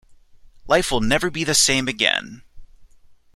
Life will never be the same again.